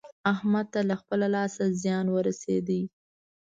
احمد ته له خپله لاسه زيان ورسېد.